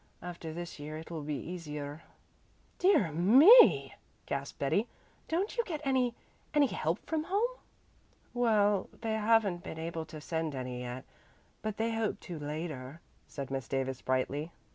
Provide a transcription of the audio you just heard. After this year it will be easier." "Dear me," gasped Betty. "Don't you get any any help from home?" "Well, they haven't been able to send any yet, but they hope to later," said Miss Davis brightly.